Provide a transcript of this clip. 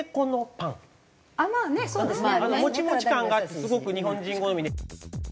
もちもち感がすごく日本人好みで。